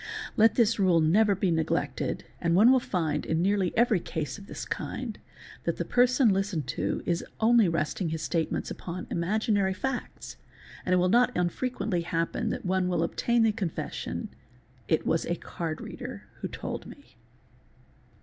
Let this rule never be neglected and one will find, in nearly every case of this kind, that the person listened to is only resting his statements upon imaginary facts, and it will not unfrequently happen that one will obtain the confes sion—'"'it was a card reader who told me."